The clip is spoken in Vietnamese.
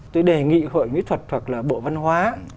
tôi đề nghị hội mỹ thuật hoặc là bộ văn hóa